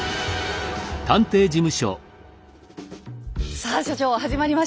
さあ所長始まりました。